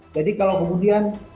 jadi kalau kemudian